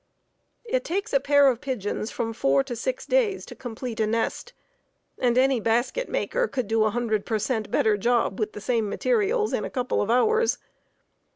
It takes a pair of pigeons from four to six days to complete a nest, and any basketmaker could do a hundred per cent. better job with the same materials in a couple of hours.